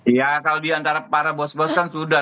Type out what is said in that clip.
ya kalau diantara para bos bos kan sudah